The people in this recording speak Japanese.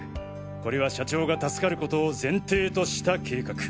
これは社長が助かる事を前提とした計画。